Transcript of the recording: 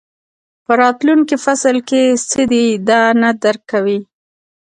په راتلونکي فصل کې څه دي دا نه درک کوئ.